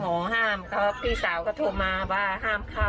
ห้ามเขาพี่สาวก็โทรมาว่าห้ามเข้า